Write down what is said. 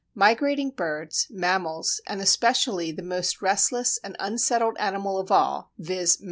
Migrating birds, mammals, and especially the most restless and unsettled animal of all, viz.